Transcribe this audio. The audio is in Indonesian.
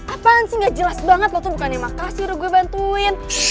apaan sih nggak jelas banget lo tuh bukan yang makasih udah gue bantuin